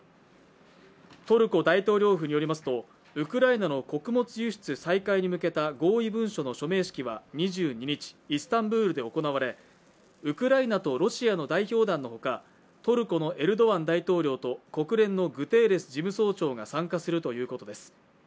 トルコ大統領府によりますとウクライナの穀物輸出再開に向けた合意文書の署名式は２２日、イスタンブールで行われウクライナとロシアの代表団のほかトルコのエルドアン大統領と国連のグテーレス事務総長が参加するということです。